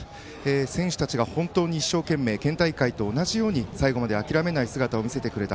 選手たちが本当に一生懸命県大会と同じように最後まで諦めない姿を見せてくれた。